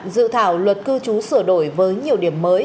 dự thảo luật cư trú sửa đổi với nhiều điểm mới